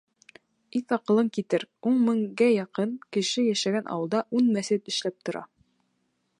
Иҫ-аҡылың китер: ун меңгә яҡын кеше йәшәгән ауылда ун мәсет эшләп тора!